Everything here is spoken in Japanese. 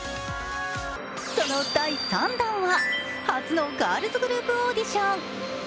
その第３弾は初のガールズグループオーディション。